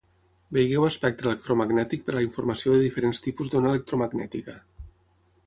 Vegeu Espectre electromagnètic per a informació de diferents tipus d'ona electromagnètica.